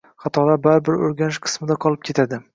Xatolar baribir o’rganish qismida qolib ketadi.